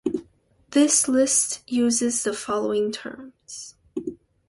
This list uses the following terms.